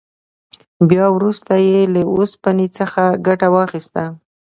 بیا وروسته یې له اوسپنې څخه ګټه واخیسته.